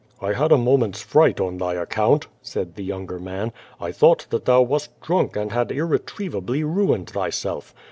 "I had a moment's fri<^dit on thy account," said the younger man, "I thought that thou wast drunk and had irretrievably ruined thyself.